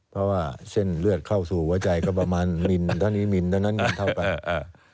เพราะว่าเช่นเลือดเข้าสู่หัวใจก็ประมาณมิลตอนนี้มิลตอนนั้นมิลเท่ากัน